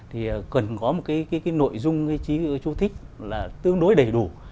thì cần có một cái nội dung cái chú thích là tương đối đầy đủ